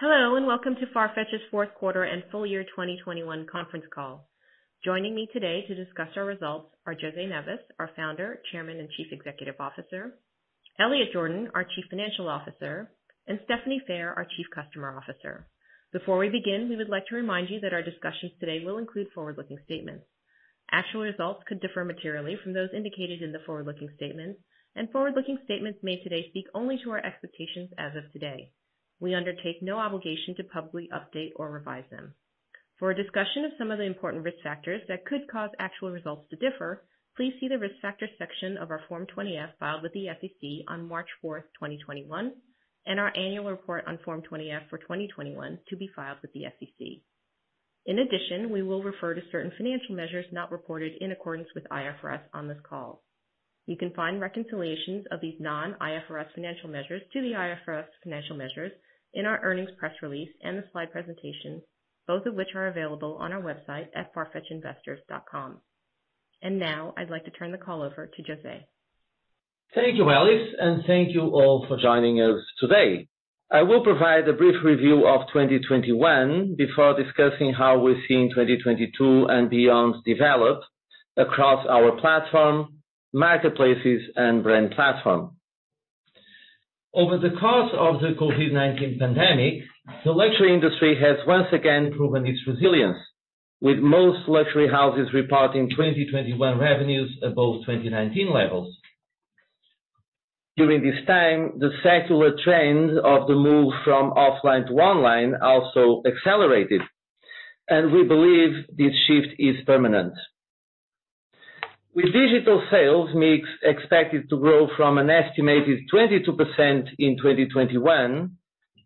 Hello, and welcome to Farfetch's fourth quarter and full-year 2021 conference call. Joining me today to discuss our results are José Neves, our Founder, Chairman, and Chief Executive Officer, Elliot Jordan, our Chief Financial Officer, and Stephanie Phair, our Chief Customer Officer. Before we begin, we would like to remind you that our discussions today will include forward-looking statements. Actual results could differ materially from those indicated in the forward-looking statements, and forward-looking statements made today speak only to our expectations as of today. We undertake no obligation to publicly update or revise them. For a discussion of some of the important risk factors that could cause actual results to differ, please see the risk factors section of our Form 20-F filed with the SEC on March 4, 2021, and our annual report on Form 20-F for 2021 to be filed with the SEC. In addition, we will refer to certain financial measures not reported in accordance with IFRS on this call. You can find reconciliations of these non-IFRS financial measures to the IFRS financial measures in our earnings press release and the slide presentation, both of which are available on our website at farfetchinvestors.com. Now I'd like to turn the call over to José. Thank you, Alice, and thank you all for joining us today. I will provide a brief review of 2021 before discussing how we're seeing 2022 and beyond develop across our platform, marketplaces, and brand platform. Over the course of the COVID-19 pandemic, the luxury industry has once again proven its resilience, with most luxury houses reporting 2021 revenues above 2019 levels. During this time, the secular trend of the move from offline to online also accelerated, and we believe this shift is permanent. With digital sales mix expected to grow from an estimated 22% in 2021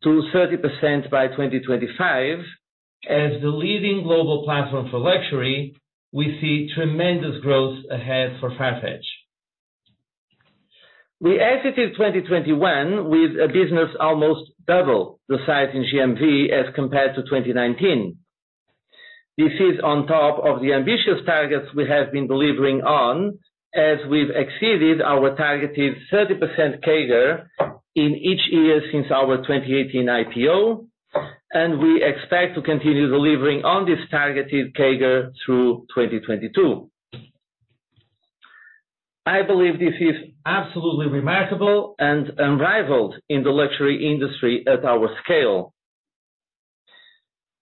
to 30% by 2025, as the leading global platform for luxury, we see tremendous growth ahead for Farfetch. We exited 2021 with a business almost double the size in GMV as compared to 2019. This is on top of the ambitious targets we have been delivering on as we've exceeded our targeted 30% CAGR in each year since our 2018 IPO, and we expect to continue delivering on this targeted CAGR through 2022. I believe this is absolutely remarkable and unrivaled in the luxury industry at our scale.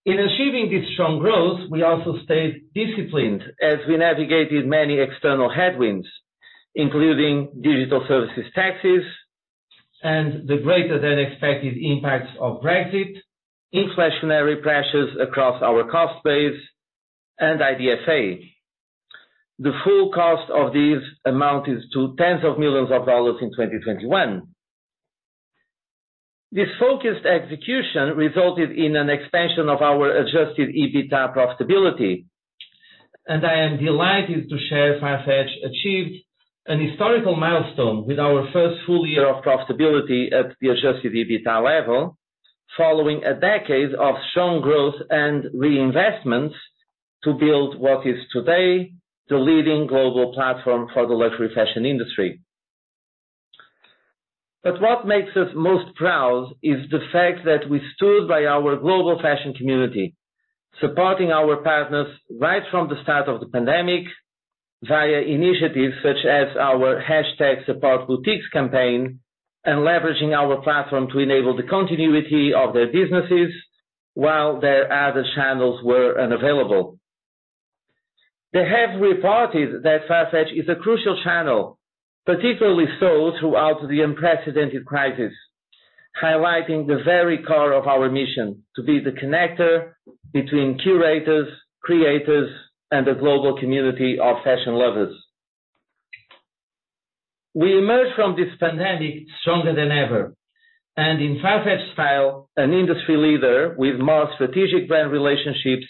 In achieving this strong growth, we also stayed disciplined as we navigated many external headwinds, including digital services taxes and the greater than expected impacts of Brexit, inflationary pressures across our cost base and FX. The full cost of these amounted to $ tens of millions in 2021. This focused execution resulted in an expansion of our adjusted EBITDA profitability, and I am delighted to share Farfetch achieved an historical milestone with our first full-year of profitability at the adjusted EBITDA level, following a decade of strong growth and reinvestments to build what is today the leading global platform for the luxury fashion industry. What makes us most proud is the fact that we stood by our global fashion community, supporting our partners right from the start of the pandemic via initiatives such as our hashtag support boutiques campaign and leveraging our platform to enable the continuity of their businesses while their other channels were unavailable. They have reported that Farfetch is a crucial channel, particularly so throughout the unprecedented crisis, highlighting the very core of our mission to be the connector between curators, creators, and a global community of fashion lovers. We emerge from this pandemic stronger than ever, and in Farfetch style, an industry leader with more strategic brand relationships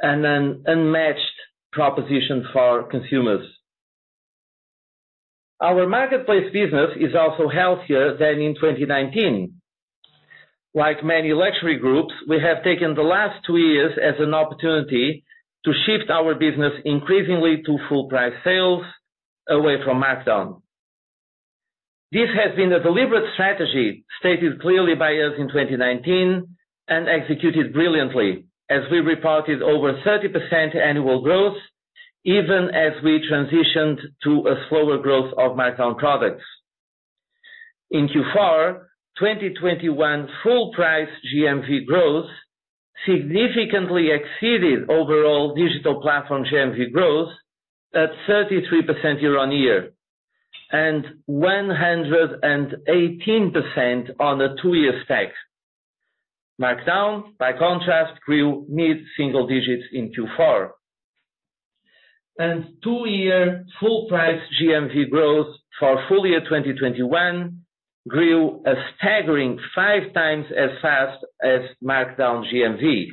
and an unmatched proposition for consumers. Our marketplace business is also healthier than in 2019. Like many luxury groups, we have taken the last two years as an opportunity to shift our business increasingly to full price sales away from markdown. This has been a deliberate strategy, stated clearly by us in 2019, and executed brilliantly as we reported over 30% annual growth even as we transitioned to a slower growth of markdown products. In Q4 2021 full price GMV growth significantly exceeded overall digital platform GMV growth at 33% year-on-year and 118% on a two-year stack. Markdown, by contrast, grew mid-single digits in Q4. Two-year full price GMV growth for full-year 2021 grew a staggering five times as fast as markdown GMV.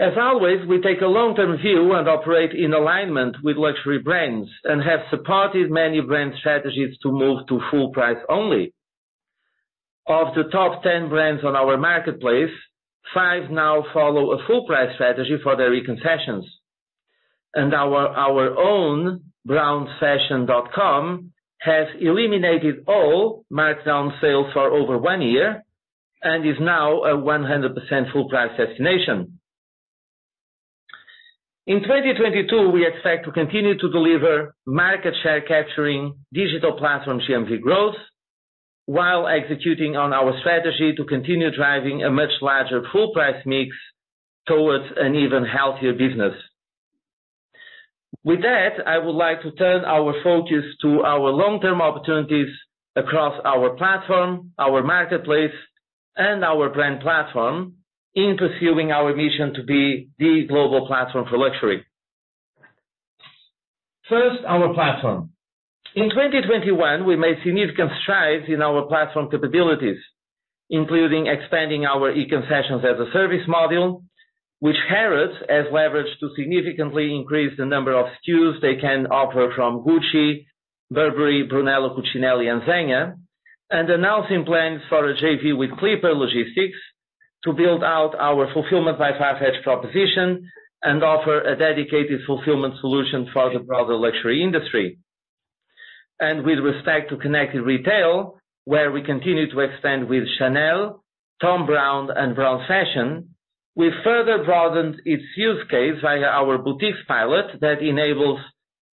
As always, we take a long-term view and operate in alignment with luxury brands and have supported many brand strategies to move to full price only. Of the top 10 brands on our marketplace, five now follow a full price strategy for their e-concessions. Our own brownsfashion.com has eliminated all markdown sales for over one year and is now a 100% full price destination. In 2022, we expect to continue to deliver market share capturing digital platform GMV growth while executing on our strategy to continue driving a much larger full price mix towards an even healthier business. With that, I would like to turn our focus to our long-term opportunities across our platform, our marketplace, and our brand platform in pursuing our mission to be the global platform for luxury. First, our platform. In 2021, we made significant strides in our platform capabilities, including expanding our E-Concessions as a service model, which Harrods has leveraged to significantly increase the number of SKUs they can offer from Gucci, Burberry, Brunello Cucinelli, and Zegna. Announcing plans for a JV with Clipper Logistics to build out our fulfillment by Farfetch proposition and offer a dedicated fulfillment solution for the broader luxury industry. With respect to Connected Retail, where we continue to expand with Chanel, Thom Browne and Browns Fashion, we further broadened its use case via our boutiques pilot that enables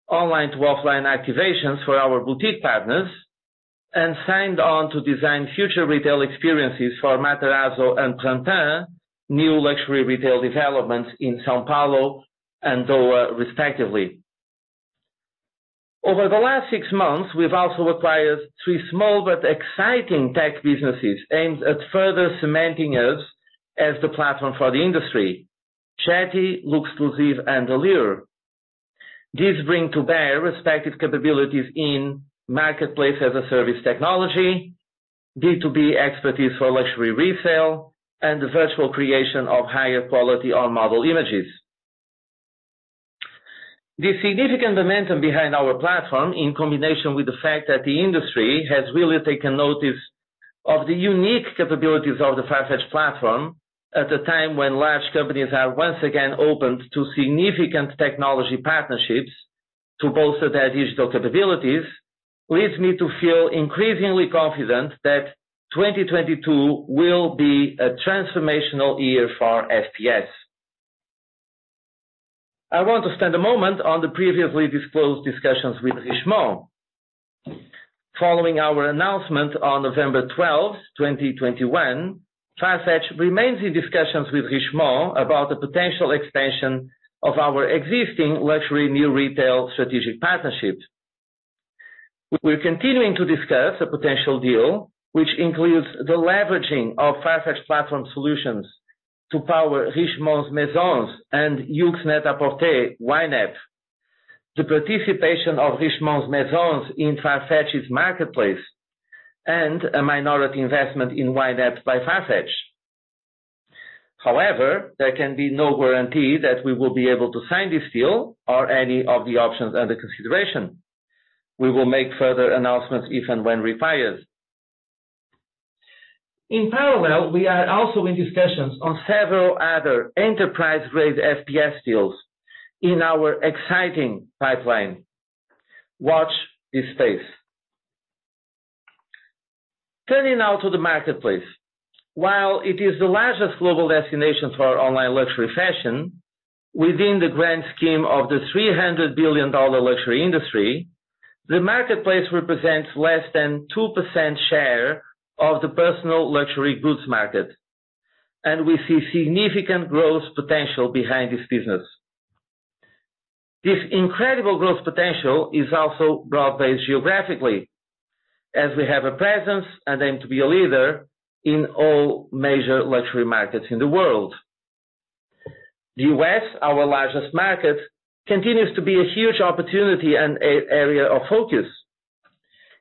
online to offline activations for our boutique partners, and signed on to design future retail experiences for Matarazzo and Place Vendôme, new luxury retail developments in São Paulo and Doha respectively. Over the last six months, we've also acquired three small but exciting tech businesses aimed at further cementing us as the platform for the industry. Chatly, Luxclusif, and Allure. These bring to bear respective capabilities in marketplace as a service technology, B2B expertise for luxury resale, and the virtual creation of higher quality on model images. The significant momentum behind our platform, in combination with the fact that the industry has really taken notice of the unique capabilities of the Farfetch platform at a time when large companies are once again open to significant technology partnerships to bolster their digital capabilities, leaves me to feel increasingly confident that 2022 will be a transformational year for FPS. I want to spend a moment on the previously disclosed discussions with Richemont. Following our announcement on November 12, 2021, Farfetch remains in discussions with Richemont about the potential expansion of our existing Luxury New Retail strategic partnership. We're continuing to discuss a potential deal which includes the leveraging of Farfetch Platform Solutions to power Richemont's Maisons and YOOX NET-A-PORTER, YNAP. The participation of Richemont's Maisons in Farfetch's marketplace, and a minority investment in YNAP by Farfetch. However, there can be no guarantee that we will be able to sign this deal or any of the options under consideration. We will make further announcements if and when required. In parallel, we are also in discussions on several other enterprise-grade FPS deals in our exciting pipeline. Watch this space. Turning now to the marketplace. While it is the largest global destination for online luxury fashion, within the grand scheme of the $300 billion luxury industry, the marketplace represents less than 2% share of the personal luxury goods market, and we see significant growth potential behind this business. This incredible growth potential is also broad-based geographically as we have a presence and aim to be a leader in all major luxury markets in the world. The U.S., our largest market, continues to be a huge opportunity and area of focus.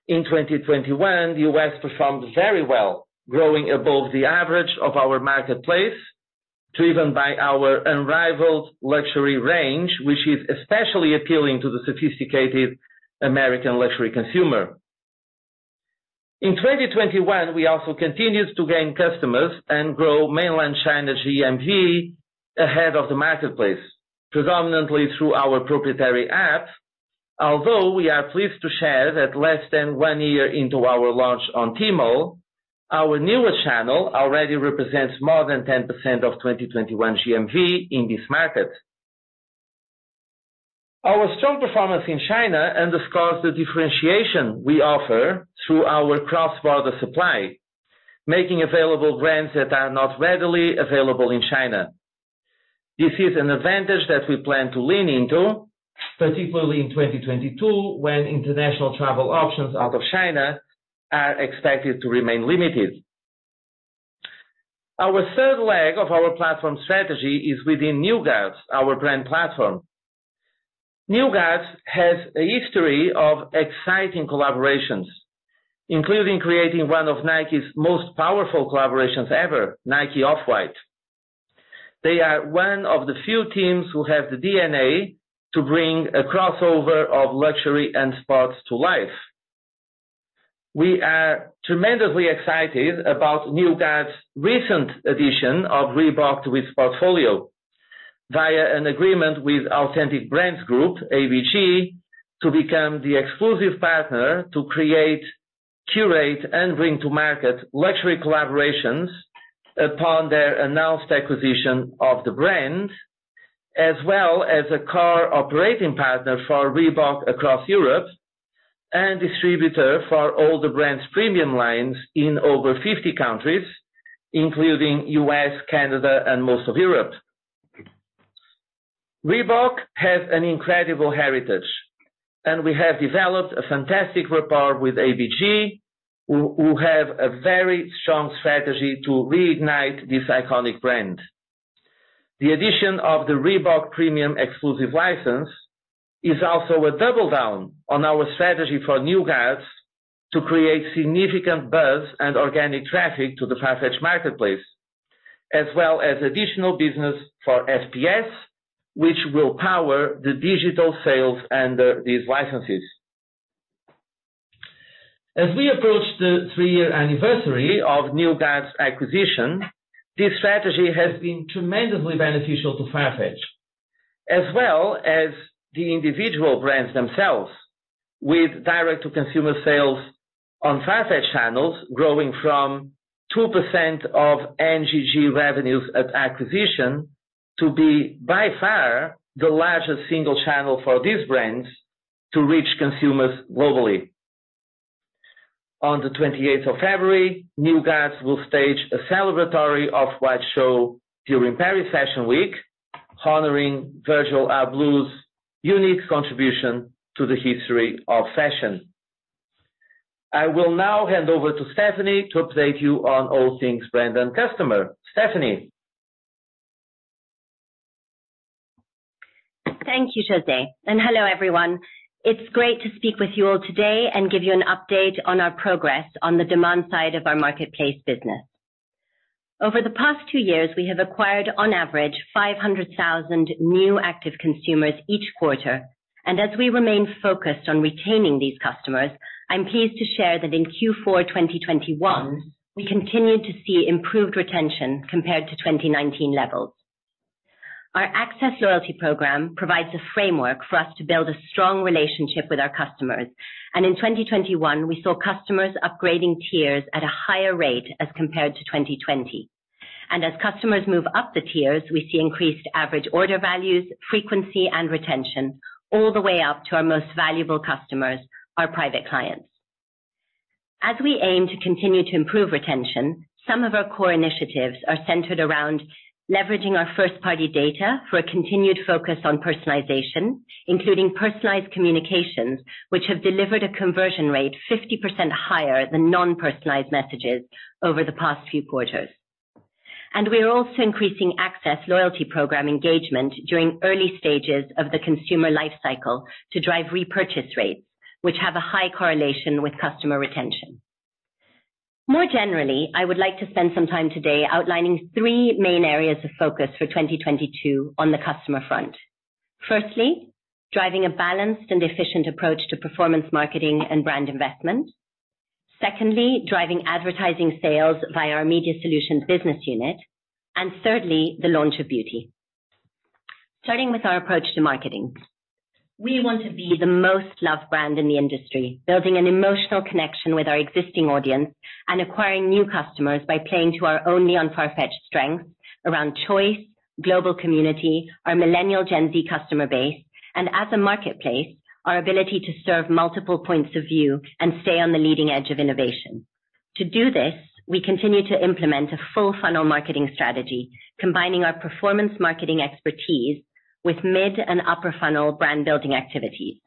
In 2021, the U.S. performed very well, growing above the average of our marketplace, driven by our unrivaled luxury range, which is especially appealing to the sophisticated American luxury consumer. In 2021, we also continued to gain customers and grow mainland China GMV ahead of the marketplace, predominantly through our proprietary app. Although we are pleased to share that less than one year into our launch on Tmall, our newest channel already represents more than 10% of 2021 GMV in this market. Our strong performance in China underscores the differentiation we offer through our cross-border supply, making available brands that are not readily available in China. This is an advantage that we plan to lean into, particularly in 2022, when international travel options out of China are expected to remain limited. Our third leg of our platform strategy is within New Guards, our brand platform. New Guards has a history of exciting collaborations, including creating one of Nike's most powerful collaborations ever, Nike Off-White. They are one of the few teams who have the DNA to bring a crossover of luxury and sports to life. We are tremendously excited about New Guards' recent addition of Reebok to its portfolio via an agreement with Authentic Brands Group, ABG, to become the exclusive partner to create, curate, and bring to market luxury collaborations upon their announced acquisition of the brand, as well as a core operating partner for Reebok across Europe and distributor for all the brand's premium lines in over 50 countries, including U.S., Canada, and most of Europe. Reebok has an incredible heritage, and we have developed a fantastic rapport with ABG, who have a very strong strategy to reignite this iconic brand. The addition of the Reebok premium exclusive license is also a double-down on our strategy for New Guards Group to create significant buzz and organic traffic to the Farfetch marketplace, as well as additional business for FPS, which will power the digital sales under these licenses. As we approach the three-year anniversary of New Guards Group's acquisition, this strategy has been tremendously beneficial to Farfetch, as well as the individual brands themselves, with direct-to-consumer sales on Farfetch channels growing from 2% of NGG revenues at acquisition to be by far the largest single channel for these brands to reach consumers globally. On the 28 of February, New Guards Group will stage a celebratory Off-White show during Paris Fashion Week, honoring Virgil Abloh's unique contribution to the history of fashion. I will now hand over to Stephanie to update you on all things brand and customer. Stephanie? Thank you, José, and hello, everyone. It's great to speak with you all today and give you an update on our progress on the demand side of our marketplace business. Over the past two years, we have acquired, on average, 500,000 new active consumers each quarter. As we remain focused on retaining these customers, I'm pleased to share that in Q4 of 2021, we continued to see improved retention compared to 2019 levels. Our Access loyalty program provides a framework for us to build a strong relationship with our customers. In 2021, we saw customers upgrading tiers at a higher rate as compared to 2020. As customers move up the tiers, we see increased average order values, frequency, and retention all the way up to our most valuable customers, our private clients. As we aim to continue to improve retention, some of our core initiatives are centered around leveraging our first-party data for a continued focus on personalization, including personalized communications, which have delivered a conversion rate 50% higher than non-personalized messages over the past few quarters. We are also increasing Access loyalty program engagement during early stages of the consumer life cycle to drive repurchase rates, which have a high correlation with customer retention. More generally, I would like to spend some time today outlining three main areas of focus for 2022 on the customer front. Firstly, driving a balanced and efficient approach to performance marketing and brand investment. Secondly, driving advertising sales via our Media Solutions business unit. Thirdly, the launch of beauty. Starting with our approach to marketing. We want to be the most loved brand in the industry, building an emotional connection with our existing audience and acquiring new customers by playing to our only on Farfetch strengths around choice, global community, our millennial Gen Z customer base, and as a marketplace, our ability to serve multiple points of view and stay on the leading edge of innovation. To do this, we continue to implement a full funnel marketing strategy, combining our performance marketing expertise with mid and upper funnel brand-building activity.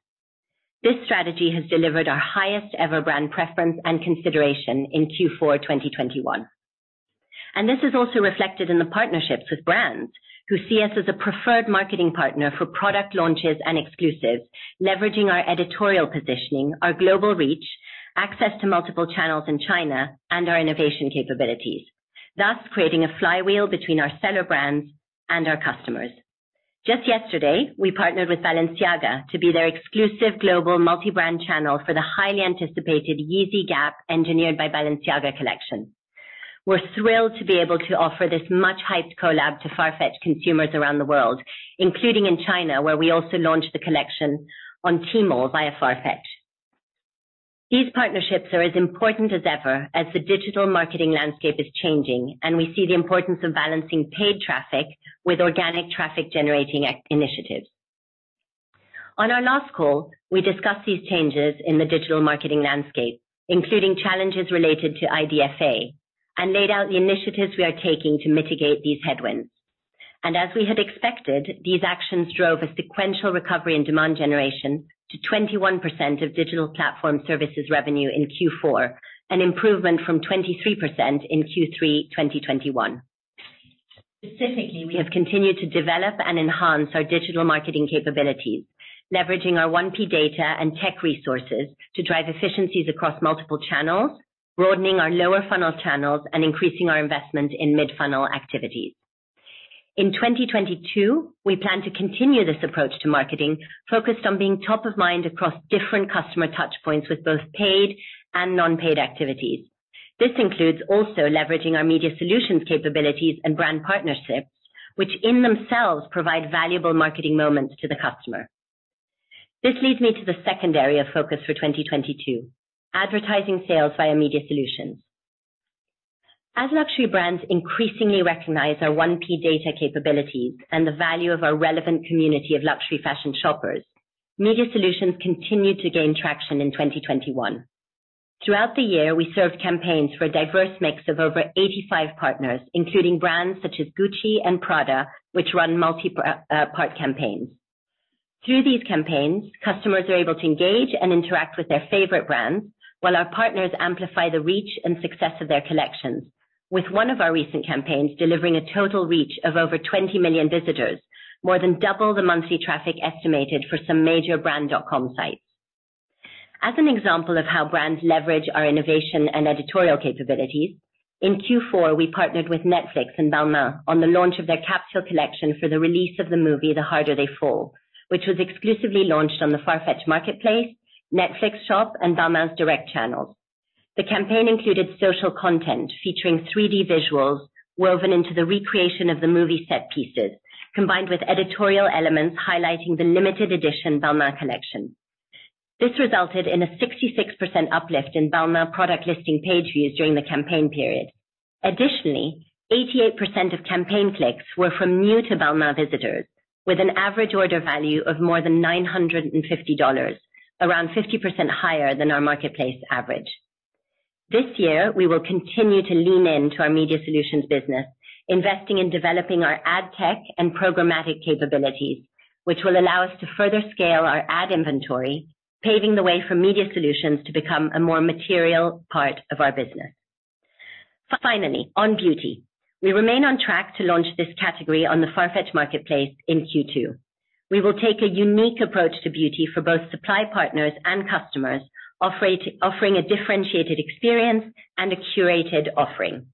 This strategy has delivered our highest-ever brand preference and consideration in Q4 of 2021. This is also reflected in the partnerships with brands who see us as a preferred marketing partner for product launches and exclusives, leveraging our editorial positioning, our global reach, access to multiple channels in China, and our innovation capabilities, thus creating a flywheel between our seller brands and our customers. Just yesterday, we partnered with Balenciaga to be their exclusive global multi-brand channel for the highly anticipated Yeezy Gap Engineered by Balenciaga collection. We're thrilled to be able to offer this much-hyped collab to Farfetch consumers around the world, including in China, where we also launched the collection on Tmall via Farfetch. These partnerships are as important as ever as the digital marketing landscape is changing, and we see the importance of balancing paid traffic with organic traffic-generating initiatives. On our last call, we discussed these changes in the digital marketing landscape, including challenges related to IDFA, and laid out the initiatives we are taking to mitigate these headwinds. As we had expected, these actions drove a sequential recovery and demand generation to 21% of digital platform services revenue in Q4, an improvement from 23% in Q3 of 2021. Specifically, we have continued to develop and enhance our digital marketing capabilities, leveraging our 1P data and tech resources to drive efficiencies across multiple channels, broadening our lower funnel channels, and increasing our investment in mid-funnel activities. In 2022, we plan to continue this approach to marketing, focused on being top of mind across different customer touchpoints with both paid and non-paid activities. This includes also leveraging our Media Solutions capabilities and brand partnerships, which in themselves provide valuable marketing moments to the customer. This leads me to the second area of focus for 2022, advertising sales via Media Solutions. As luxury brands increasingly recognize our 1P data capabilities and the value of our relevant community of luxury fashion shoppers, Media Solutions continued to gain traction in 2021. Throughout the year, we served campaigns for a diverse mix of over 85 partners, including brands such as Gucci and Prada, which run multi-part campaigns. Through these campaigns, customers are able to engage and interact with their favorite brands while our partners amplify the reach and success of their collections. With one of our recent campaigns delivering a total reach of over 20 million visitors, more than double the monthly traffic estimated for some major brand.com sites. As an example of how brands leverage our innovation and editorial capabilities, in Q4, we partnered with Netflix and Balmain on the launch of their capsule collection for the release of the movie The Harder They Fall, which was exclusively launched on the Farfetch marketplace, Netflix.shop, and Balmain's direct channels. The campaign included social content featuring 3D visuals woven into the recreation of the movie set pieces, combined with editorial elements highlighting the limited edition Balmain collection. This resulted in a 66% uplift in Balmain product listing page views during the campaign period. Additionally, 88% of campaign clicks were from new to Balmain visitors, with an average order value of more than $950, around 50% higher than our marketplace average. This year, we will continue to lean in to our Media Solutions business, investing in developing our ad tech and programmatic capabilities, which will allow us to further scale our ad inventory, paving the way for Media Solutions to become a more material part of our business. Finally, on beauty, we remain on track to launch this category on the Farfetch marketplace in Q2. We will take a unique approach to beauty for both supply partners and customers, offering a differentiated experience and a curated offering.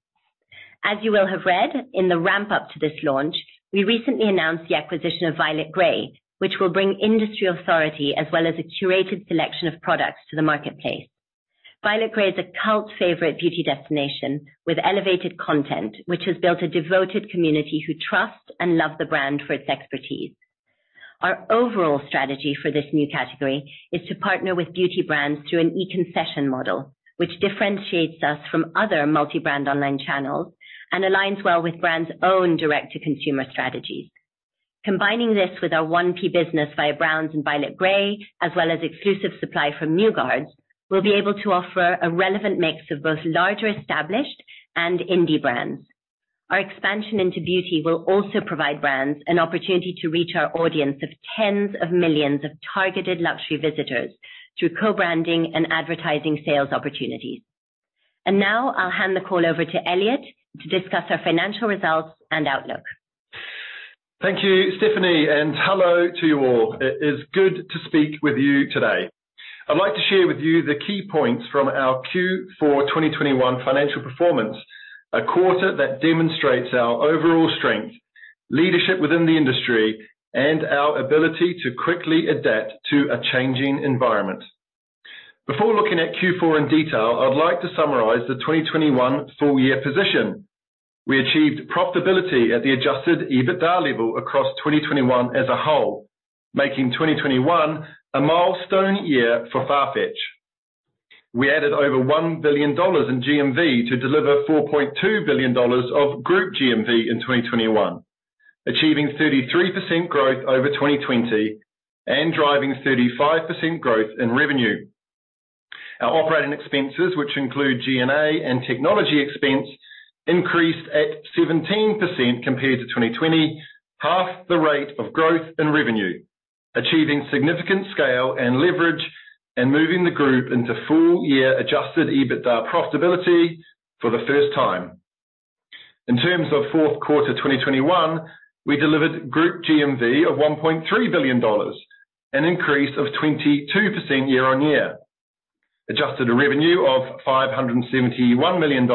As you will have read in the ramp up to this launch, we recently announced the acquisition of Violet Grey, which will bring industry authority as well as a curated selection of products to the marketplace. Violet Grey is a cult favorite beauty destination with elevated content, which has built a devoted community who trust and love the brand for its expertise. Our overall strategy for this new category is to partner with beauty brands through an E-Concessions model, which differentiates us from other multi-brand online channels and aligns well with brands' own direct-to-consumer strategies. Combining this with our 1P business via Browns and Violet Grey, as well as exclusive supply from New Guards, we'll be able to offer a relevant mix of both larger established and indie brands. Our expansion into beauty will also provide brands an opportunity to reach our audience of tens of millions of targeted luxury visitors through co-branding and advertising sales opportunities. Now I'll hand the call over to Elliot to discuss our financial results and outlook. Thank you, Stephanie, and hello to you all. It is good to speak with you today. I'd like to share with you the key points from our Q4 of 2021 financial performance, a quarter that demonstrates our overall strength, leadership within the industry, and our ability to quickly adapt to a changing environment. Before looking at Q4 in detail, I'd like to summarize the 2021 full-year position. We achieved profitability at the adjusted EBITDA level across 2021 as a whole, making 2021 a milestone year for Farfetch. We added over $1 billion in GMV to deliver $4.2 billion of group GMV in 2021, achieving 33% growth over 2020 and driving 35% growth in revenue. Our operating expenses, which include G&A and technology expense, increased 17% compared to 2020, half the rate of growth in revenue, achieving significant scale and leverage and moving the group into full-year adjusted EBITDA profitability for the first time. In terms of Q4 2021, we delivered group GMV of $1.3 billion, an increase of 22% year-on-year. Adjusted revenue of $571 million,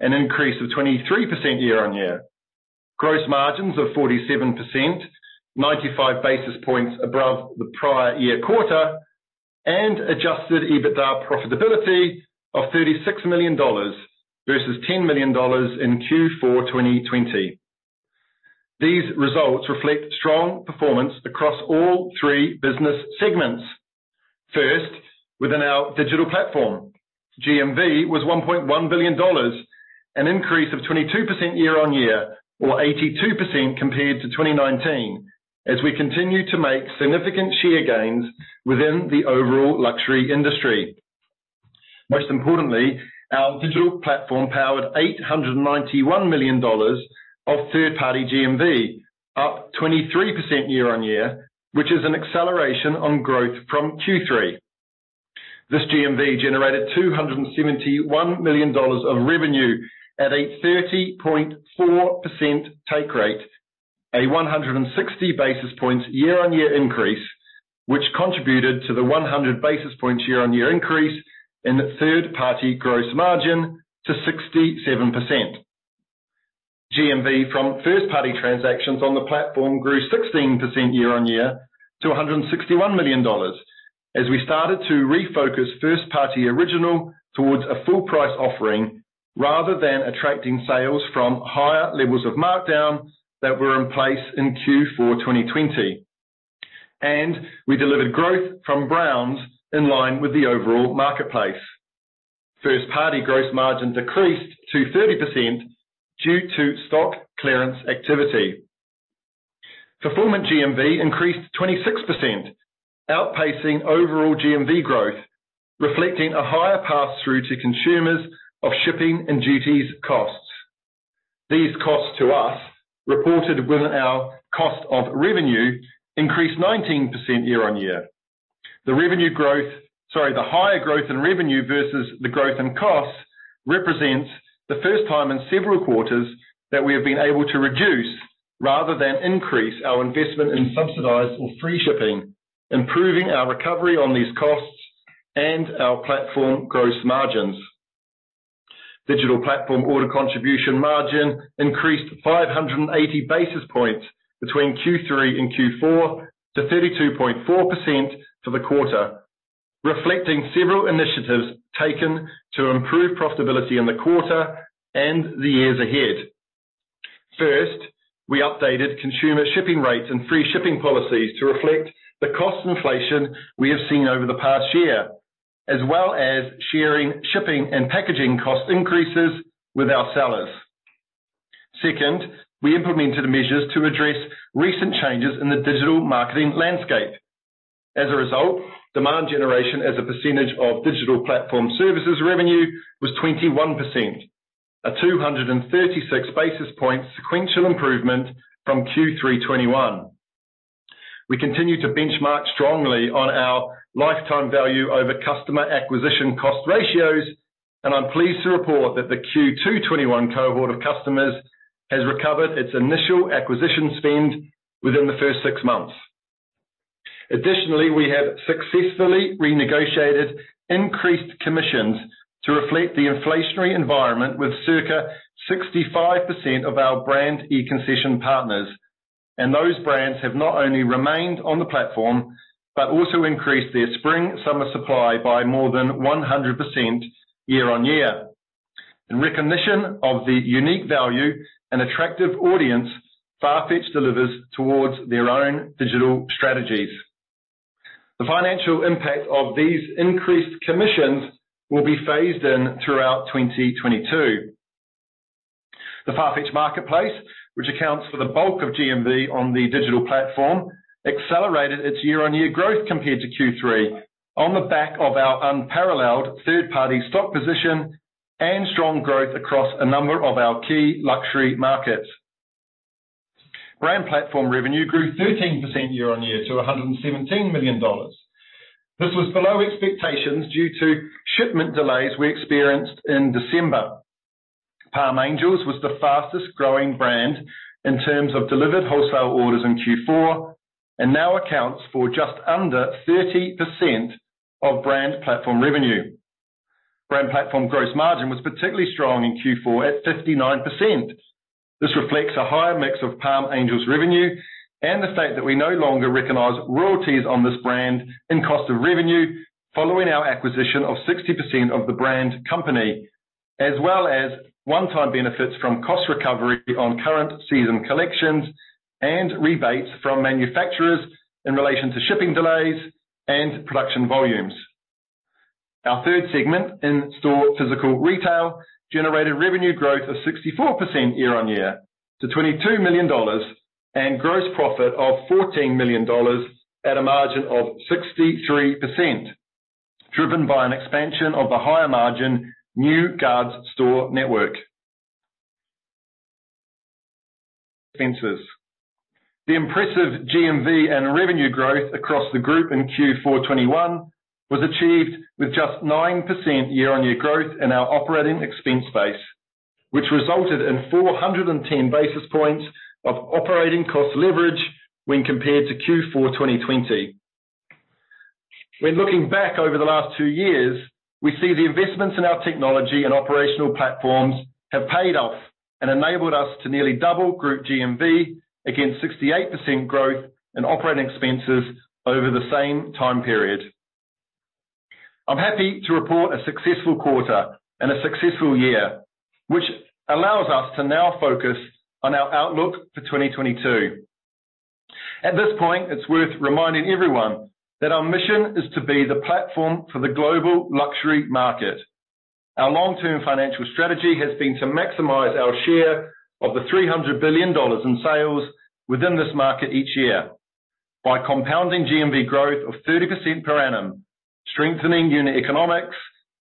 an increase of 23% year-on-year. Gross margins of 47%, 95 basis points above the prior year quarter, and adjusted EBITDA profitability of $36 million versus $10 million in Q4 of 2020. These results reflect strong performance across all three business segments. First, within our digital platform, GMV was $1.1 billion, an increase of 22% year-on-year or 82% compared to 2019, as we continue to make significant share gains within the overall luxury industry. Most importantly, our digital platform powered $891 million of third-party GMV, up 23% year-on-year, which is an acceleration on growth from Q3. This GMV generated $271 million of revenue at a 30.4% take rate, a 160 basis points year-on-year increase which contributed to the 100 basis point year-on-year increase in the third-party gross margin to 67%. GMV from first-party transactions on the platform grew 16% year-on-year to $161 million. As we started to refocus first party original towards a full price offering, rather than attracting sales from higher levels of markdown that were in place in Q4 2020. We delivered growth from Browns in line with the overall marketplace. First party gross margin decreased to 30% due to stock clearance activity. Fulfillment GMV increased 26%, outpacing overall GMV growth, reflecting a higher pass-through to consumers of shipping and duties costs. These costs to us, reported within our cost of revenue, increased 19% year-on-year. The higher growth in revenue versus the growth in costs represents the first time in several quarters that we have been able to reduce rather than increase our investment in subsidized or free shipping, improving our recovery on these costs and our platform gross margins. Digital platform order contribution margin increased 580 basis points between Q3 and Q4 to 32.4% for the quarter, reflecting several initiatives taken to improve profitability in the quarter and the years ahead. First, we updated consumer shipping rates and free shipping policies to reflect the cost inflation we have seen over the past year, as well as sharing, shipping, and packaging cost increases with our sellers. Second, we implemented measures to address recent changes in the digital marketing landscape. As a result, demand generation as a percentage of digital platform services revenue was 21%, a 236 basis points sequential improvement from Q3 2021. We continue to benchmark strongly on our lifetime value over customer acquisition cost ratios, and I'm pleased to report that the Q2 2021 cohort of customers has recovered its initial acquisition spend within the first six months. Additionally, we have successfully renegotiated increased commissions to reflect the inflationary environment with circa 65% of our brand E-Concessions partners. Those brands have not only remained on the platform, but also increased their spring summer supply by more than 100% year-on-year. In recognition of the unique value and attractive audience, Farfetch delivers towards their own digital strategies. The financial impact of these increased commissions will be phased in throughout 2022. The Farfetch Marketplace, which accounts for the bulk of GMV on the digital platform, accelerated its year-on-year growth compared to Q3 on the back of our unparalleled third-party stock position and strong growth across a number of our key luxury markets. Brand Platform revenue grew 13% year-on-year to $117 million. This was below expectations due to shipment delays we experienced in December. Palm Angels was the fastest growing brand in terms of delivered wholesale orders in Q4, and now accounts for just under 30% of brand platform revenue. Brand platform gross margin was particularly strong in Q4 at 59%. This reflects a higher mix of Palm Angels revenue and the fact that we no longer recognize royalties on this brand and cost of revenue following our acquisition of 60% of the brand company, as well as one-time benefits from cost recovery on current season collections and rebates from manufacturers in relation to shipping delays and production volumes. Our third segment in-store physical retail generated revenue growth of 64% year-over-year to $22 million, and gross profit of $14 million at a margin of 63%, driven by an expansion of the higher margin New Guards store network. Hence. The impressive GMV and revenue growth across the group in Q4 2021 was achieved with just 9% year-on-year growth in our operating expense base, which resulted in 410 basis points of operating cost leverage when compared to Q4 2020. When looking back over the last two years, we see the investments in our technology and operational platforms have paid off and enabled us to nearly double group GMV against 68% growth in operating expenses over the same time period. I'm happy to report a successful quarter and a successful year, which allows us to now focus on our outlook for 2022. At this point, it's worth reminding everyone that our mission is to be the platform for the global luxury market. Our long-term financial strategy has been to maximize our share of the $300 billion in sales within this market each year by compounding GMV growth of 30% per annum, strengthening unit economics,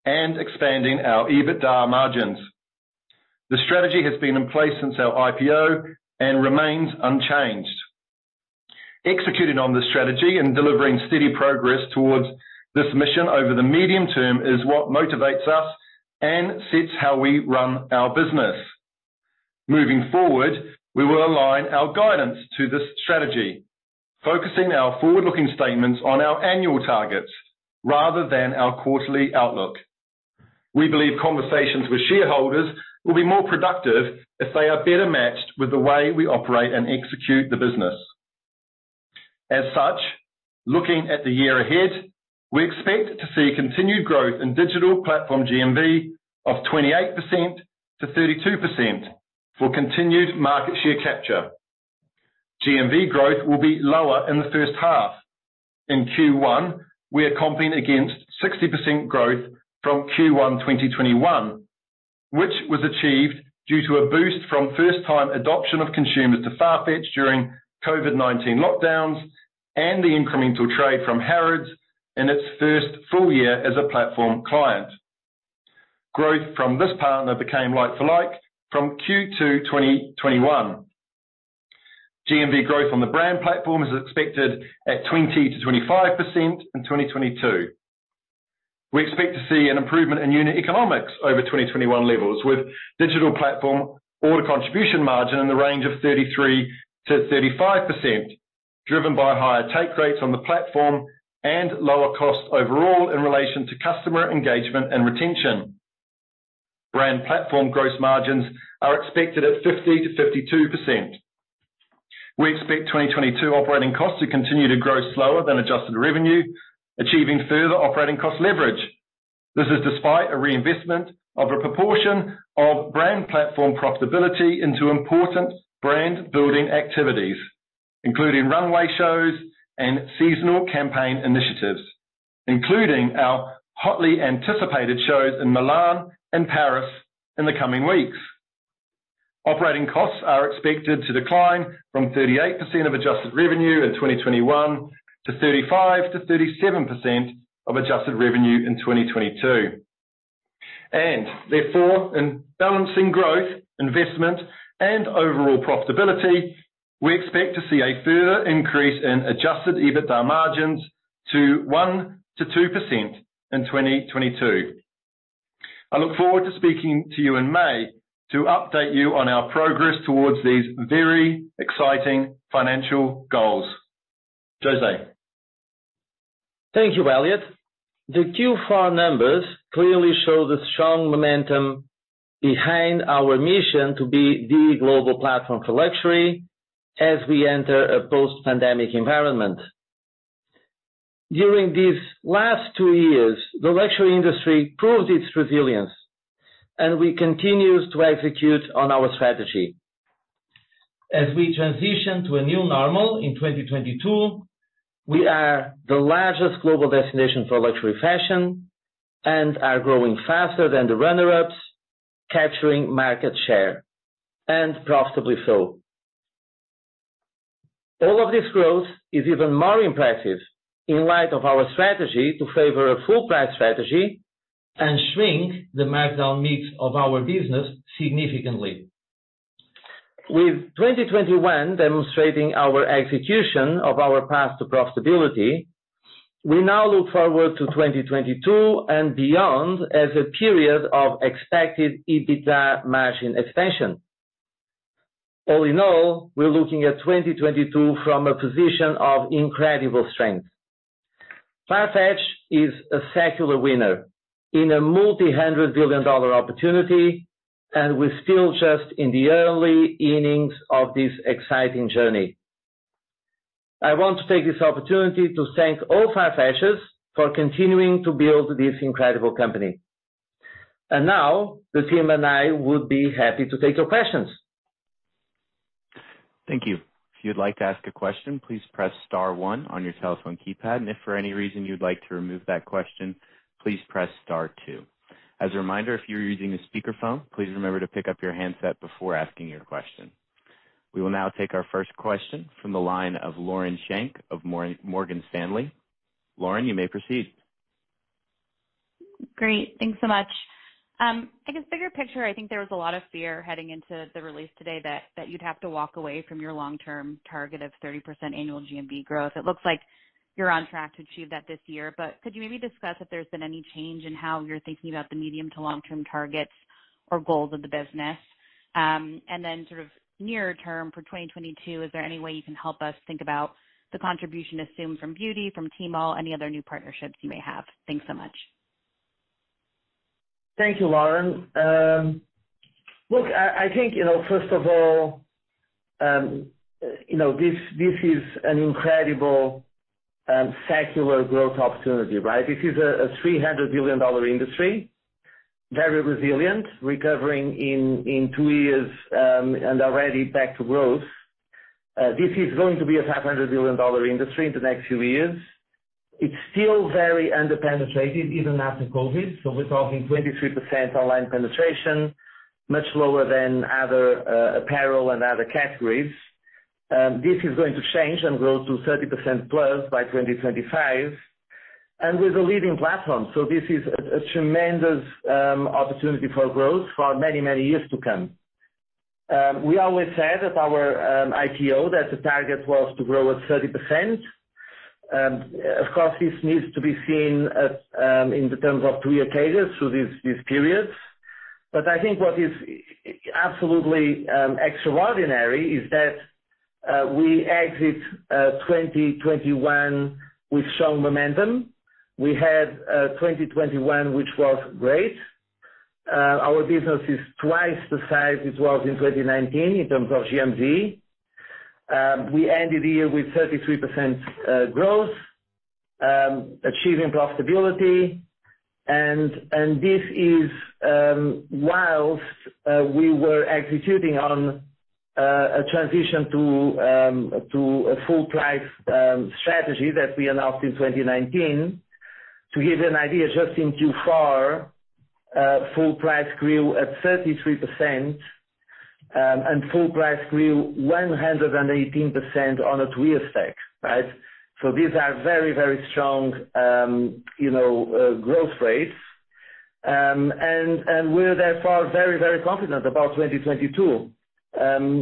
and expanding our EBITDA margins. The strategy has been in place since our IPO and remains unchanged. Executing on this strategy and delivering steady progress towards this mission over the medium term is what motivates us and sets how we run our business. Moving forward, we will align our guidance to this strategy, focusing our forward-looking statements on our annual targets rather than our quarterly outlook. We believe conversations with shareholders will be more productive if they are better matched with the way we operate and execute the business. As such, looking at the year ahead, we expect to see continued growth in digital platform GMV of 28%-32% for continued market share capture. GMV growth will be lower in the first half. In Q1, we are comping against 60% growth from Q1 2021, which was achieved due to a boost from first time adoption of consumers to Farfetch during COVID-19 lockdowns and the incremental trade from Harrods in its first full-year as a platform client. Growth from this partner became like for like from Q2 2021. GMV growth on the brand platform is expected at 20%-25% in 2022. We expect to see an improvement in unit economics over 2021 levels, with digital platform order contribution margin in the range of 33%-35%, driven by higher take rates on the platform and lower cost overall in relation to customer engagement and retention. Brand platform gross margins are expected at 50%-52%. We expect 2022 operating costs to continue to grow slower than adjusted revenue, achieving further operating cost leverage. This is despite a reinvestment of a proportion of brand platform profitability into important brand building activities, including runway shows and seasonal campaign initiatives, including our hotly anticipated shows in Milan and Paris in the coming weeks. Operating costs are expected to decline from 38% of adjusted revenue in 2021 to 35%-37% of adjusted revenue in 2022. Therefore, in balancing growth, investment, and overall profitability, we expect to see a further increase in adjusted EBITDA margins to 1%-2% in 2022. I look forward to speaking to you in May to update you on our progress towards these very exciting financial goals. José. Thank you, Elliot. The Q4 numbers clearly show the strong momentum behind our mission to be the global platform for luxury as we enter a post-pandemic environment. During these last two years, the luxury industry proved its resilience, and we continue to execute on our strategy. As we transition to a new normal in 2022, we are the largest global destination for luxury fashion and are growing faster than the runners-up, capturing market share, and profitably so. All of this growth is even more impressive in light of our strategy to favor a full price strategy and shrink the marked down mix of our business significantly. With 2021 demonstrating our execution of our path to profitability, we now look forward to 2022 and beyond as a period of expected EBITDA margin expansion. All in all, we're looking at 2022 from a position of incredible strength. Farfetch is a secular winner in a multi-hundred-billion-dollar opportunity, and we're still just in the early innings of this exciting journey. I want to take this opportunity to thank all Farfetchers for continuing to build this incredible company. Now the team and I would be happy to take your questions. Thank you. If you'd like to ask a question, please press star one on your telephone keypad. If for any reason you'd like to remove that question, please press star two. As a reminder, if you're using a speakerphone, please remember to pick up your handset before asking your question. We will now take our first question from the line of Lauren Schenk of Morgan Stanley. Lauren, you may proceed. Great. Thanks so much. I guess bigger picture, I think there was a lot of fear heading into the release today that you'd have to walk away from your long-term target of 30% annual GMV growth. It looks like you're on track to achieve that this year, but could you maybe discuss if there's been any change in how you're thinking about the medium to long-term targets or goals of the business? Sort of nearer term for 2022, is there any way you can help us think about the contribution assumed from Beauty, from Tmall, any other new partnerships you may have? Thanks so much. Thank you, Lauren. Look, I think, you know, first of all, you know, this is an incredible secular growth opportunity, right? This is a $300 billion industry, very resilient, recovering in two years, and already back to growth. This is going to be a $500 billion industry in the next few years. It's still very under-penetrated, even after COVID. We're talking 23% online penetration, much lower than other apparel and other categories. This is going to change and grow to 30% plus by 2025. We're the leading platform. This is a tremendous opportunity for growth for many, many years to come. We always said at our IPO that the target was to grow at 30%. Of course, this needs to be seen in the terms of three occasions through these periods. I think what is absolutely extraordinary is that we exit 2021 with strong momentum. We had 2021, which was great. Our business is twice the size it was in 2019 in terms of GMV. We ended the year with 33% growth, achieving profitability. This is while we were executing on a transition to a full price strategy that we announced in 2019. To give you an idea, just in Q4, full price grew at 33%, and full price grew 118% on a three-year stack, right? These are very, very strong, you know, growth rates. We're therefore very, very confident about 2022.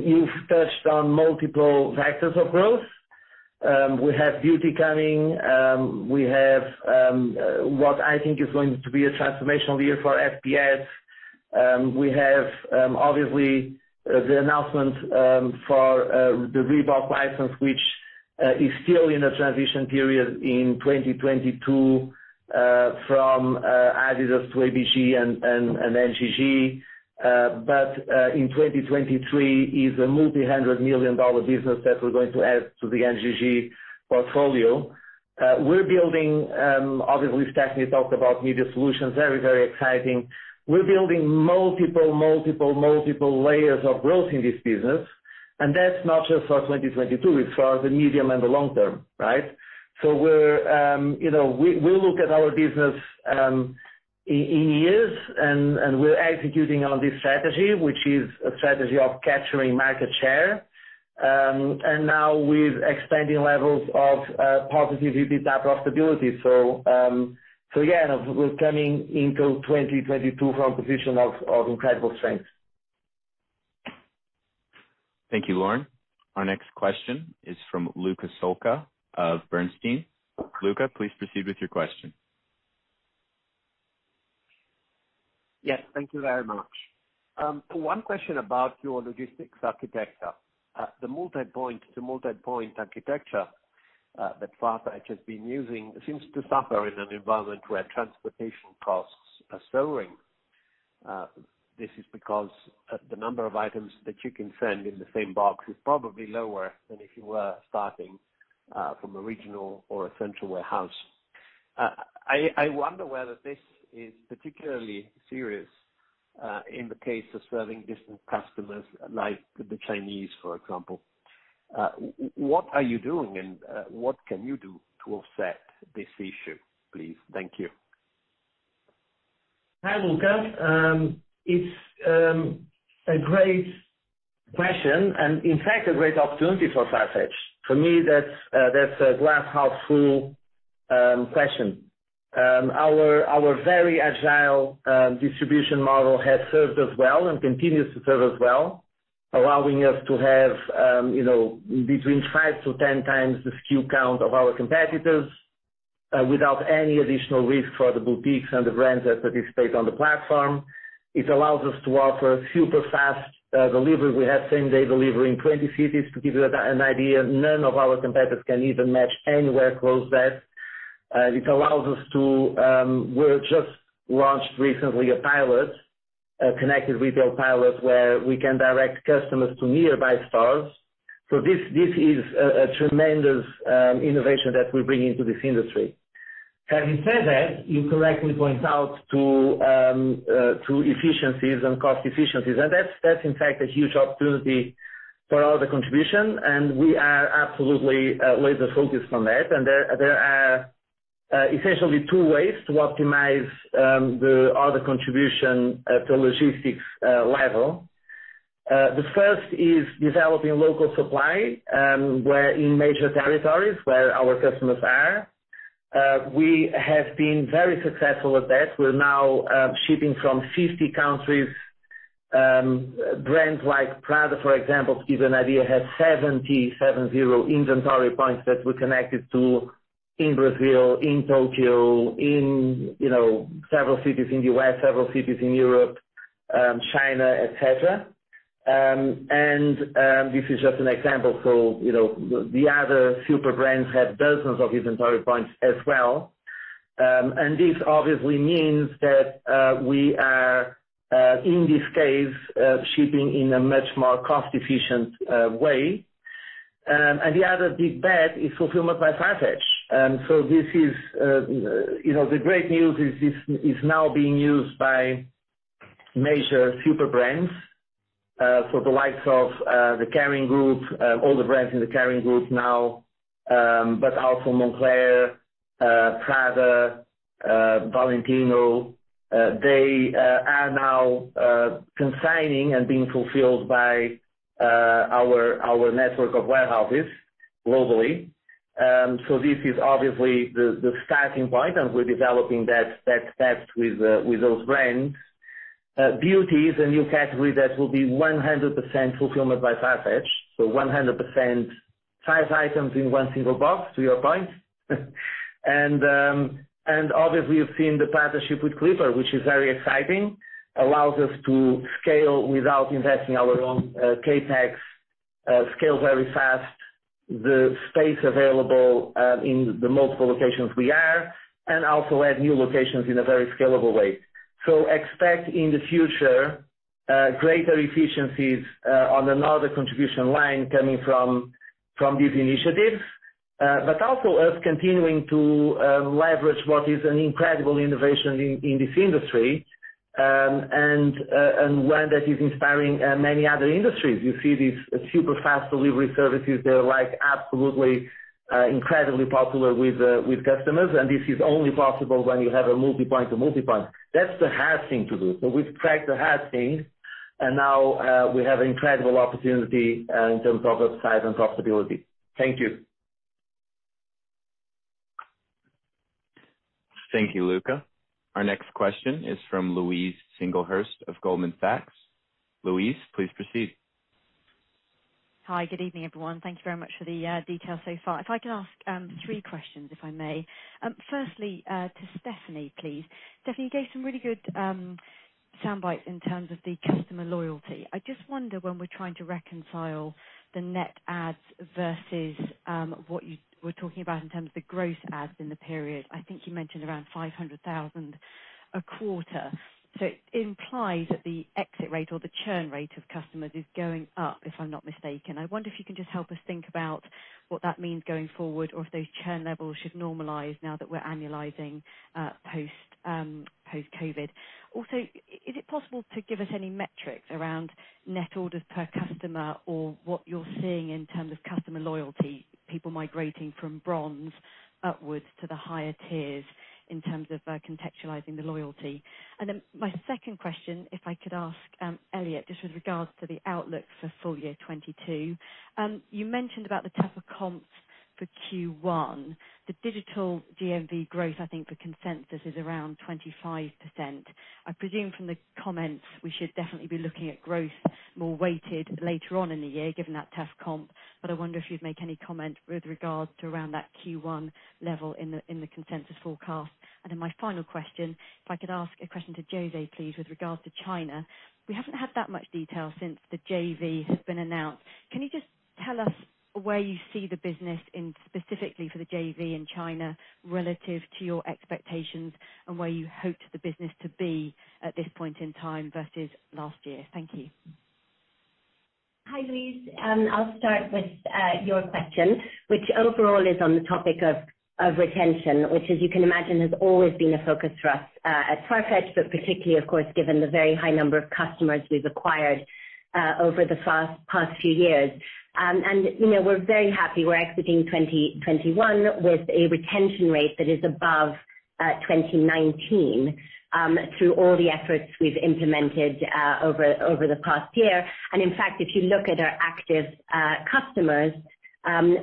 You've touched on multiple factors of growth. We have beauty coming. We have what I think is going to be a transformational year for FPS. We have obviously the announcement for the Reebok license, which is still in a transition period in 2022 from adidas to ABG and NGG. But in 2023 is a $multi-hundred million business that we're going to add to the NGG portfolio. We're building obviously. Stephanie talked about Media Solutions, very, very exciting. We're building multiple layers of growth in this business. That's not just for 2022, it's for the medium and the long term, right? We're, you know, we look at our business in years and we're executing on this strategy, which is a strategy of capturing market share. Now with expanding levels of positive EBITDA profitability. Again, we're coming into 2022 from a position of incredible strength. Thank you, Lauren. Our next question is from Luca Solca of Bernstein. Luca, please proceed with your question. Yes, thank you very much. One question about your logistics architecture. The multipoint to multipoint architecture that Farfetch has been using seems to suffer in an environment where transportation costs are soaring. This is because the number of items that you can send in the same box is probably lower than if you were starting from a regional or a central warehouse. I wonder whether this is particularly serious in the case of serving distant customers like the Chinese, for example. What are you doing and what can you do to offset this issue, please? Thank you. Hi, Luca. It's a great question and in fact a great opportunity for Farfetch. For me, that's a glass half full question. Our very agile distribution model has served us well and continues to serve us well, allowing us to have, you know, between 5x to 10x the SKU count of our competitors, without any additional risk for the boutiques and the brands that participate on the platform. It allows us to offer super fast delivery. We have same day delivery in 20 cities. To give you an idea, none of our competitors can even match anywhere close that. It allows us to, we're just launched recently a pilot, a Connected Retail pilot where we can direct customers to nearby stores. This is a tremendous innovation that we bring into this industry. Having said that, you correctly point out to efficiencies and cost efficiencies. That's in fact a huge opportunity for all the contribution, and we are absolutely laser focused on that. There are essentially two ways to optimize the other contribution at the logistics level. The first is developing local supply where in major territories where our customers are. We have been very successful with that. We're now shipping from 50 countries. Brands like Prada, for example, to give you an idea, have 70 inventory points that we're connected to in Brazil, in Tokyo, you know, several cities in the U.S., several cities in Europe, China, et cetera. This is just an example. You know, the other super brands have dozens of inventory points as well. This obviously means that we are, in this case, shipping in a much more cost-efficient way. The other big bet is Fulfillment by Farfetch. This is, you know, the great news is this is now being used by major super brands, so the likes of the Kering Group, all the brands in the Kering Group now, but also Moncler, Prada, Valentino. They are now consigning and being fulfilled by our network of warehouses globally. This is obviously the starting point, and we're developing that with those brands. Beauty is a new category that will be 100% fulfillment by Farfetch. 100% five items in one single box, to your point. Obviously you've seen the partnership with Clipper, which is very exciting. It allows us to scale without investing our own CapEx, scale very fast the space available in the multiple locations we are, and also add new locations in a very scalable way. Expect in the future greater efficiencies on another contribution line coming from these initiatives. Us continuing to leverage what is an incredible innovation in this industry. One that is inspiring many other industries. You see these super fast delivery services that are like absolutely, incredibly popular with customers, and this is only possible when you have a multipoint to multipoint. That's the hard thing to do. We've cracked the hard thing, and now, we have incredible opportunity, in terms of upside and profitability. Thank you. Thank you, Luca. Our next question is from Louise Singlehurst of Goldman Sachs. Louise, please proceed. Hi, good evening, everyone. Thank you very much for the detail so far. If I could ask three questions, if I may. Firstly, to Stephanie, please. Stephanie, you gave some really good soundbites in terms of the customer loyalty. I just wonder when we're trying to reconcile the net adds versus what you were talking about in terms of the gross adds in the period. I think you mentioned around 500,000 a quarter. It implies that the exit rate or the churn rate of customers is going up, if I'm not mistaken. I wonder if you can just help us think about what that means going forward or if those churn levels should normalize now that we're annualizing post-COVID. Also, is it possible to give us any metrics around net orders per customer or what you're seeing in terms of customer loyalty, people migrating from Bronze upwards to the higher tiers in terms of contextualizing the loyalty? My second question, if I could ask, Elliot, just with regards to the outlook for full-year 2022. You mentioned about the tougher comps for Q1. The digital GMV growth, I think the consensus is around 25%. I presume from the comments we should definitely be looking at growth more weighted later on in the year given that tough comp. I wonder if you'd make any comment with regards to around that Q1 level in the consensus forecast. My final question, if I could ask a question to José please with regards to China. We haven't had that much detail since the JV has been announced. Can you just tell us where you see the business in specifically for the JV in China relative to your expectations and where you hoped the business to be at this point in time versus last year? Thank you. Hi, Louise. I'll start with your question, which overall is on the topic of retention, which as you can imagine, has always been a focus for us at Farfetch, but particularly of course, given the very high number of customers we've acquired over the past few years. You know, we're very happy. We're exiting 2021 with a retention rate that is above 2019 through all the efforts we've implemented over the past year. In fact, if you look at our active customers,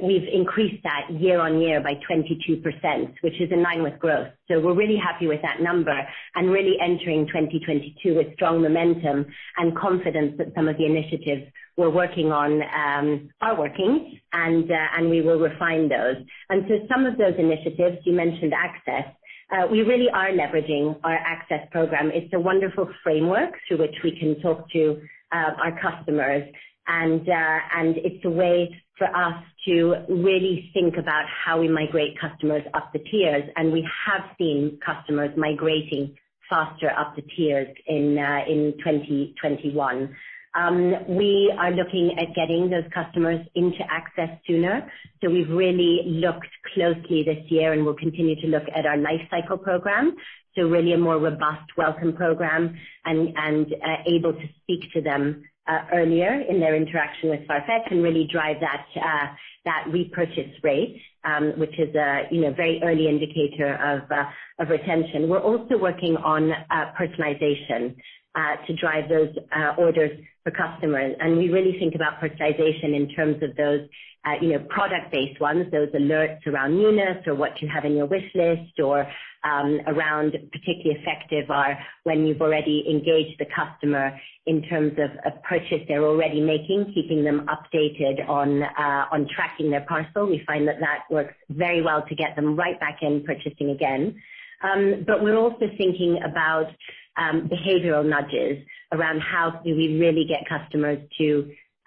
we've increased that year-on-year by 22%, which is in line with growth. We're really happy with that number and really entering 2022 with strong momentum and confidence that some of the initiatives we're working on are working and we will refine those. Some of those initiatives, you mentioned Access. We really are leveraging our Access program. It's a wonderful framework through which we can talk to our customers and it's a way for us to really think about how we migrate customers up the tiers. We have seen customers migrating faster up the tiers in 2021. We are looking at getting those customers into Access sooner. We've really looked closely this year and will continue to look at our lifecycle program, really a more robust welcome program and able to speak to them earlier in their interaction with Farfetch and really drive that repurchase rate, which is, you know, a very early indicator of retention. We're also working on personalization to drive those orders for customers. We really think about personalization in terms of those, you know, product-based ones, those alerts around newness or what you have in your wish list or, around particularly effective are when you've already engaged the customer in terms of a purchase they're already making, keeping them updated on tracking their parcel. We find that works very well to get them right back in purchasing again. We're also thinking about behavioral nudges around how do we really get customers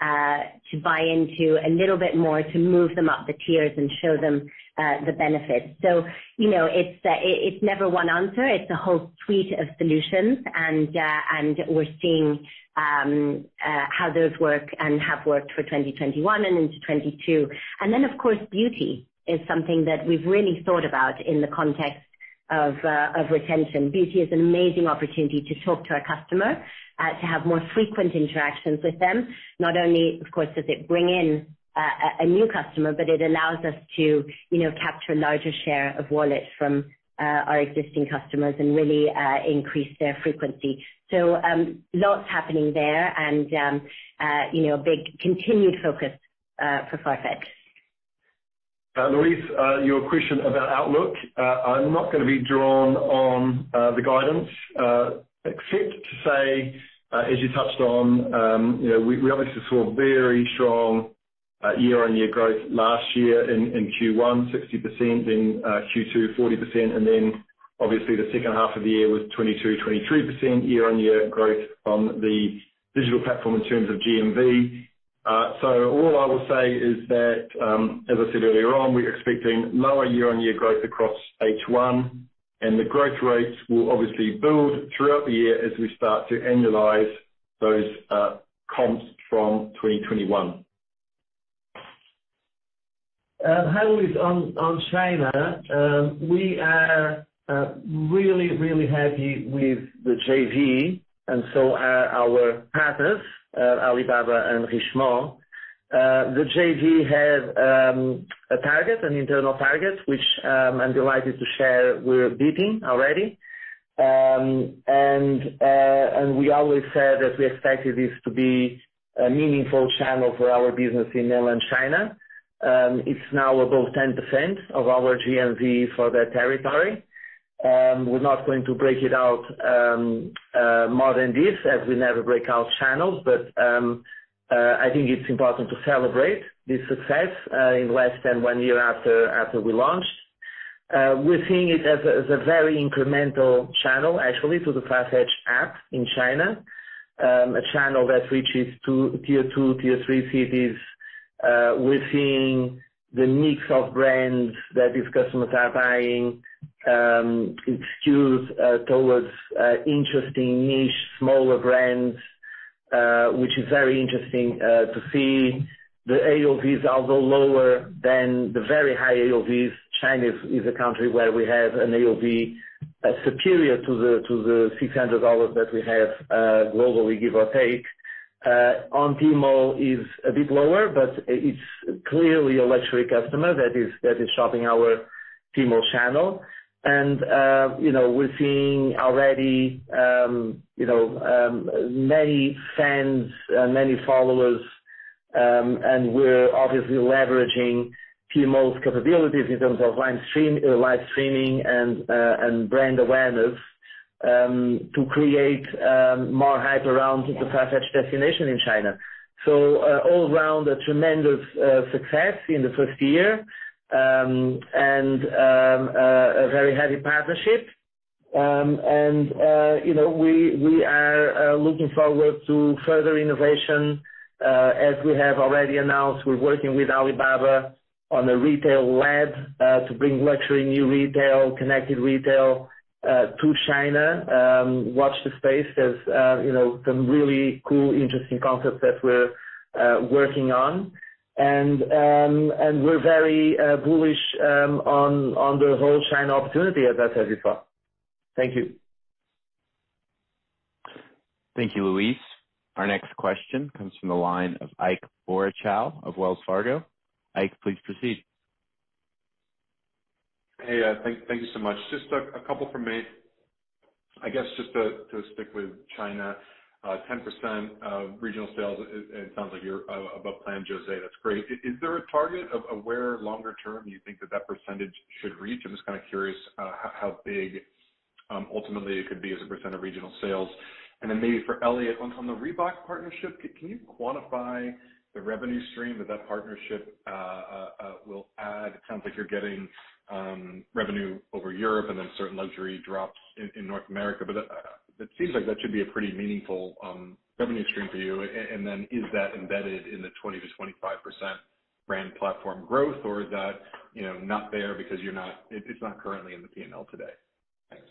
to buy into a little bit more, to move them up the tiers and show them the benefits. You know, it's never one answer. It's a whole suite of solutions. We're seeing how those work and have worked for 2021 and into 2022. Of course, beauty is something that we've really thought about in the context of retention. Beauty is an amazing opportunity to talk to our customer to have more frequent interactions with them. Not only of course does it bring in a new customer, but it allows us to, you know, capture a larger share of wallet from our existing customers and really increase their frequency. Lots happening there and you know, big continued focus for Farfetch. Louise, your question about outlook. I'm not gonna be drawn on the guidance, except to say, as you touched on, you know, we obviously saw very strong year-on-year growth last year in Q1, 60%. In Q2, 40%. Then obviously the second half of the year was 22%-23% year-on-year growth on the digital platform in terms of GMV. All I will say is that, as I said earlier on, we're expecting lower year-on-year growth across H1, and the growth rates will obviously build throughout the year as we start to annualize those comps from 2021. Louise, on China. We are really happy with the JV and so are our partners, Alibaba and Richemont. The JV have a target, an internal target, which I'm delighted to share we're beating already. We always said that we expected this to be a meaningful channel for our business in mainland China. It's now above 10% of our GMV for that territory. We're not going to break it out more than this as we never break out channels. I think it's important to celebrate this success in less than one year after we launched. We're seeing it as a very incremental channel actually to the Farfetch app in China. A channel that reaches to tier two, tier three cities. We're seeing the mix of brands that these customers are buying, it skews towards interesting niche smaller brands, which is very interesting to see. The AOV is also lower than the very high AOVs. China is a country where we have an AOV superior to the $600 that we have globally, give or take. The AOV on Tmall is a bit lower, but it's clearly a luxury customer that is shopping our Tmall channel. You know, we're seeing already, you know, many fans, many followers, and we're obviously leveraging Tmall's capabilities in terms of live streaming and brand awareness to create more hype around the Farfetch destination in China. All around a tremendous success in the first year, and a very heady partnership. You know, we are looking forward to further innovation. As we have already announced, we're working with Alibaba on a retail lab to bring Luxury New Retail, Connected Retail to China. Watch this space. There's you know some really cool, interesting concepts that we're working on. We're very bullish on the whole China opportunity as I said before. Thank you. Thank you, Louise Singlehurst. Our next question comes from the line of Ike Boruchow of Wells Fargo. Ike, please proceed. Hey, thank you so much. Just a couple from me. I guess just to stick with China. Ten percent of regional sales, it sounds like you're above plan, José, that's great. Is there a target of where longer term you think that percentage should reach? I'm just kinda curious, how big ultimately it could be as a percent of regional sales. Maybe for Elliot, on the Reebok partnership, can you quantify the revenue stream that partnership will add? It sounds like you're getting revenue over Europe and then certain luxury drops in North America. It seems like that should be a pretty meaningful revenue stream for you. Is that embedded in the 20%-25% brand platform growth, or is that, you know, not there because it's not currently in the P&L today? Thanks.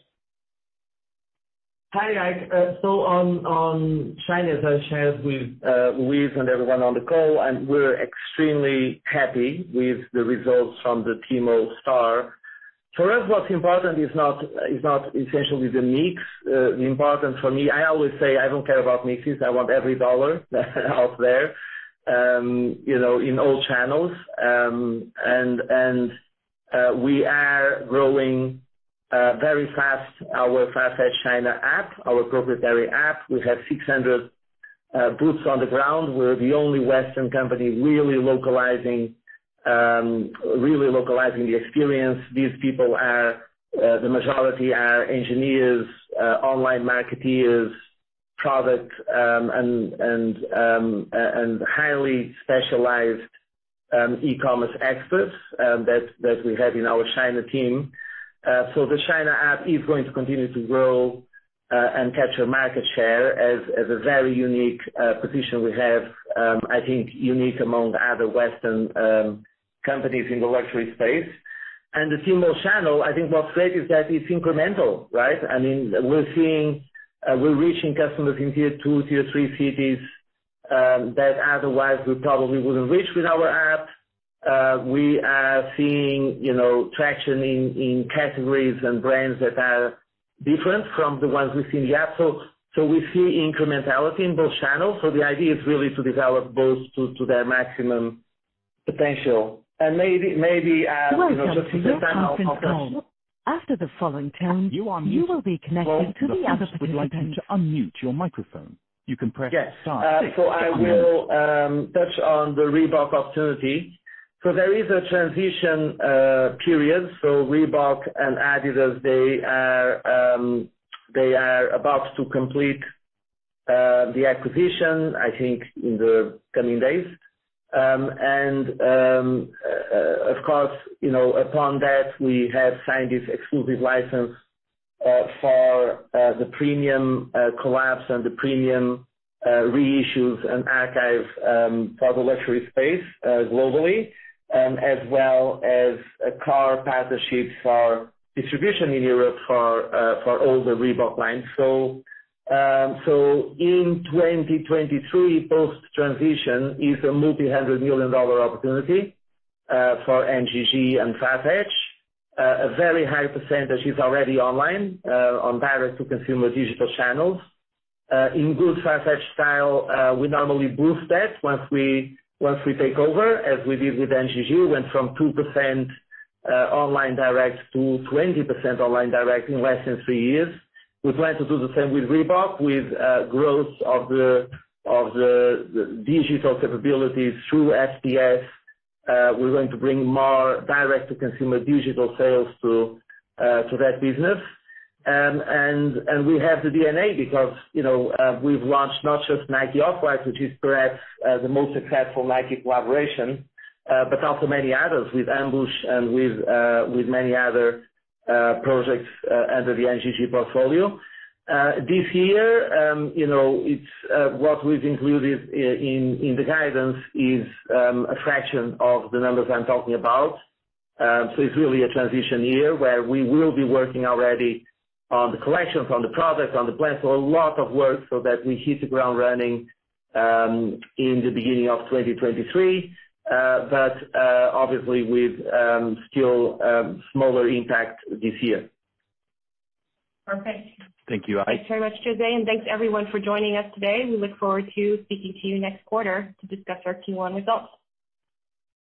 Hi, Ike. On China, as I shared with Louise and everyone on the call, we're extremely happy with the results from the Tmall store. For us, what's important is not essentially the mix. The importance for me, I always say I don't care about mixes, I want every dollar out there, you know, in all channels. We are growing very fast our Farfetch China app, our proprietary app. We have 600 boots on the ground. We're the only Western company really localizing the experience. These people are the majority are engineers, online marketeers, product, and highly specialized e-commerce experts that we have in our China team. The China app is going to continue to grow and capture market share as a very unique position we have. I think unique among other Western companies in the luxury space. The Tmall channel, I think what's great is that it's incremental, right? I mean, we're reaching customers in tier two, tier three cities that otherwise we probably wouldn't reach with our app. We are seeing, you know, traction in categories and brands that are different from the ones we see in the app. We see incrementality in both channels. The idea is really to develop both to their maximum potential. Maybe, you know, just to- After the following tone, you will be connected to the other participant. You are muted. Paul, the host would like you to unmute your microphone. You can press star six to unmute. Yes. I will touch on the Reebok opportunity. There is a transition period. Reebok and adidas, they are about to complete the acquisition, I think, in the coming days. Of course, you know, upon that we have signed this exclusive license for the premium collabs and the premium reissues and archive for the luxury space globally, as well as a core partnership for distribution in Europe for all the Reebok lines. In 2023, post-transition is a multi-hundred-million-dollar opportunity for NGG and Farfetch. A very high percentage is already online on direct-to-consumer digital channels. In good Farfetch style, we normally boost that once we take over, as we did with NGG, went from 2% online direct to 20% online direct in less than three years. We plan to do the same with Reebok, with growth of the digital capabilities through FPS. We're going to bring more direct-to-consumer digital sales to that business. And we have the DNA because, you know, we've launched not just Nike Off-White, which is perhaps the most successful Nike collaboration, but also many others with AMBUSH and with many other projects under the NGG portfolio. This year, you know, it's what we've included in the guidance is a fraction of the numbers I'm talking about. It's really a transition year where we will be working already on the collections, on the products, on the plans. A lot of work so that we hit the ground running in the beginning of 2023. Obviously with still smaller impact this year. Perfect. Thank you. Thanks very much, José. Thanks, everyone, for joining us today. We look forward to speaking to you next quarter to discuss our Q1 results.